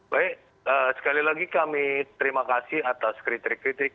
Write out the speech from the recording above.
baik sekali lagi kami terima kasih atas kritik kritik